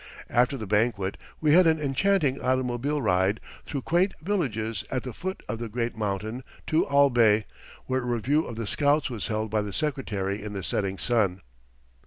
After the banquet we had an enchanting automobile ride, through quaint villages at the foot of the great mountain to Albay, where a review of the scouts was held by the Secretary in the setting sun.